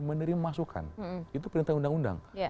menerima masukan itu perintah undang undang